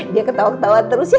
dia ketawa ketawa terus ya